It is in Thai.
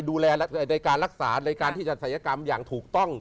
ดูแลในการรักษาในการที่จัดศัยกรรมอย่างถูกต้อง